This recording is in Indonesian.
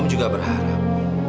om juga berharap